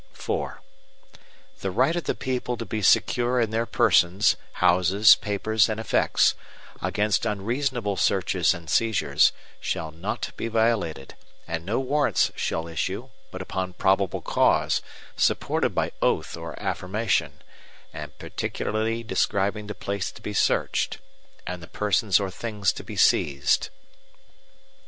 IV The right of the people to be secure in their persons, houses, papers, and effects, against unreasonable searches and seizures, shall not be violated, and no Warrants shall issue, but upon probable cause, supported by oath or affirmation, and particularly describing the place to be searched, and the persons or things to be seized.